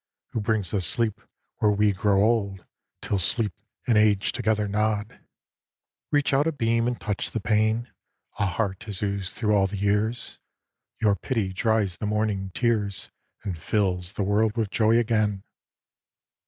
Who brings us sleep, where we grow old 'Til sleep and age together nod. Reach out a beam and touch the pain A heart has oozed thro' all the years. A DREAM OF ARTEMIS 141 Your pity dries the morning's tears And fills the world with joy again!